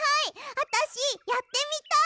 あたしやってみたい！